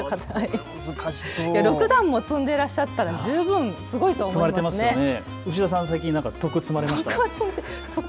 ６段も積んでいらっしゃったら、十分すごいですよね。